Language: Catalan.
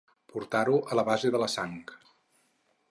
Portar-ho a la base de la sang.